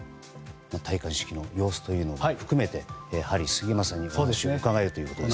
戴冠式の様子というのも含めてハリー杉山さんにお話を伺えるということで。